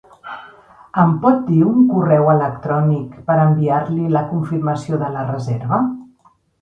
Em pot dir un correu electrònic per enviar-li la confirmació de la reserva?